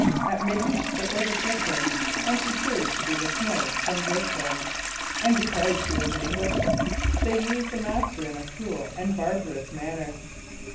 At midnight they overtook her, and she proved to be the Snow from Bristol; and, because he was an Englishman, they used the master in a cruel and barbarous manner.